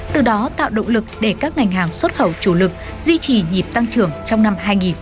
từ đó tạo động lực để các ngành hàng xuất khẩu chủ lực duy trì nhịp tăng trưởng trong năm hai nghìn hai mươi